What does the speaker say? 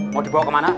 mau dibawa kemana